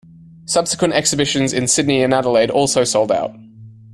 Subsequent exhibitions in Sydney and Adelaide also sold out.